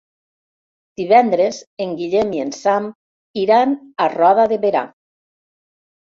Divendres en Guillem i en Sam iran a Roda de Berà.